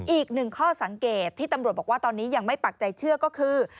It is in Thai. อีกหนึ่งข้อสังเกตที่ตำรวจบอกว่าตอนนี้ยังไม่ปักใจเชื่อก็คือ